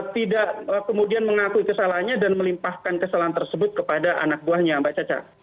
tidak kemudian mengakui kesalahannya dan melimpahkan kesalahan tersebut kepada anak buahnya mbak caca